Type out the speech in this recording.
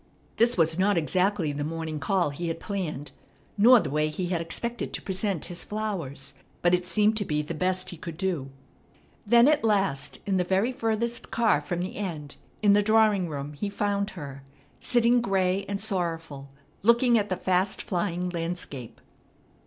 This was not exactly the morning call he had planned, nor the way he had expected to present his flowers; but it seemed to be the best he could do. Then, at last, in the very furthest car from the end, in the drawing room he found her, sitting gray and sorrowful, looking at the fast flying landscape.